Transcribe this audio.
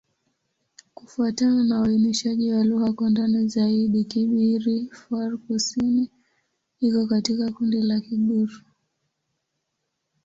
Kufuatana na uainishaji wa lugha kwa ndani zaidi, Kibirifor-Kusini iko katika kundi la Kigur.